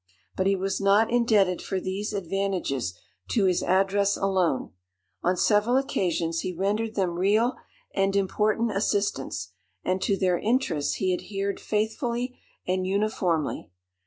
But he was not indebted for these advantages to his address alone. On several occasions he rendered them real and important assistance; and to their interests he adhered faithfully and uniformly.